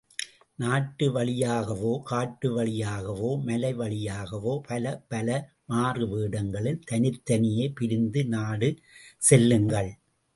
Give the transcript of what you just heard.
நாட்டு வழியாகவோ, காட்டுவழியாகவோ, மலை வழியாகவோ பலப்பல மாறு வேடங்களில் தனித்தனியே பிரிந்து நாடு செல்லுங்கள்.